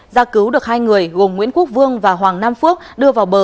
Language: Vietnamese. gia cứu được hai người gồm nguyễn quốc vương và hoàng nam phước đưa vào bờ